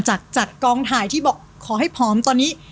จากกองถ่ายที่บอกขอให้ผอมตอนนี้